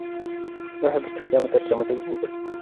لا أحب استخدام ترجمة غوغل.